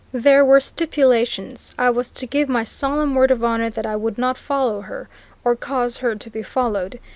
There were stipulations. I was to give my solemn word of honour that I would not follow her, or cause her to be followed.